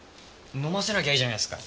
飲ませなきゃいいじゃないですか。